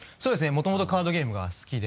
もともとカードゲームが好きで。